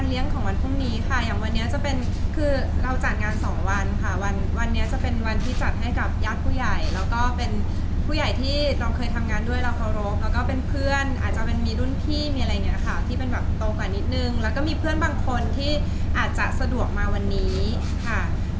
สุขค่ะสุขค่ะสุขค่ะสุขค่ะสุขค่ะสุขค่ะสุขค่ะสุขค่ะสุขค่ะสุขค่ะสุขค่ะสุขค่ะสุขค่ะสุขค่ะสุขค่ะสุขค่ะสุขค่ะสุขค่ะสุขค่ะสุขค่ะสุขค่ะสุขค่ะสุขค่ะสุขค่ะสุขค่ะสุขค่ะสุขค่ะสุขค่ะสุขค่ะสุขค่ะสุขค่ะสุขค